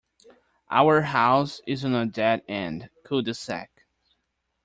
Our house is on a dead end cul-de-sac.